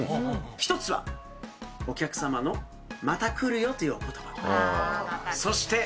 １つは、お客様のまた来るよというおことば。